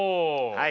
はい。